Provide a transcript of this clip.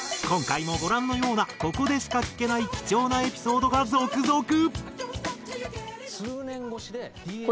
今回もご覧のようなここでしか聞けない貴重なエピソードが続々。